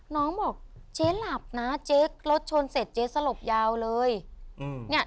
น้องบอกเจ๊หลับนะเจ๊รถชนเสร็จเจ๊สลบยาวเลยอืมเนี่ย